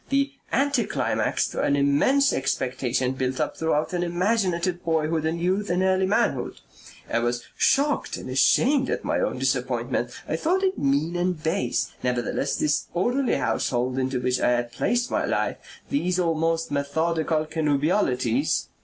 The anti climax to an immense expectation built up throughout an imaginative boyhood and youth and early manhood. I was shocked and ashamed at my own disappointment. I thought it mean and base. Nevertheless this orderly household into which I had placed my life, these almost methodical connubialities...."